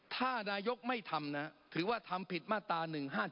ถ้านายกไม่ทำนะถือว่าทำผิดมาตรา๑๕๗